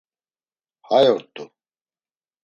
Hay ort̆u.